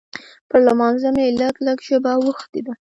پر لمانځه مې لږ لږ ژبه اوښتې ده.